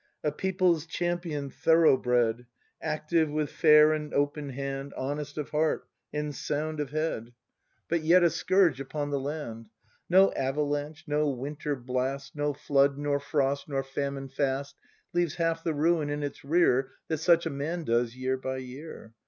] A people's champion thorough bred! Active, with fair and open hand. Honest of heart and sound of head. [Goes. 136 BRAND [act hi But yet a scourge upon the land! No avalanche, no winter blast. No flood, nor frost, nor famine fast Leaves half the ruin in its rear That such a man does, year by year.